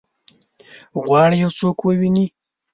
غواړي یو څوک وویني؟